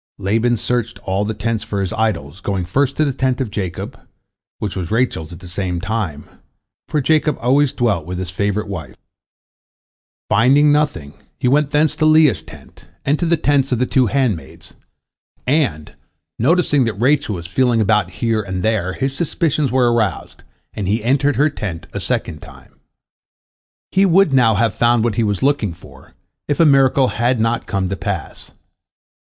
'" Laban searched all the tents for his idols, going first to the tent of Jacob, which was Rachel's at the same time, for Jacob always dwelt with his favorite wife. Finding nothing, he went thence to Leah's tent, and to the tents of the two handmaids, and, noticing that Rachel was feeling about here and there, his suspicions were aroused, and he entered her tent a second time. He would now have found what he was looking for, if a miracle had not come to pass.